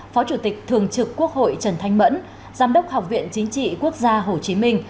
phó chủ tịch thường trực quốc hội trần thanh mẫn giám đốc học viện chính trị quốc gia hồ chí minh